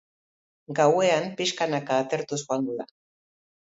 Gauean, pixkanaka atertuz joango da.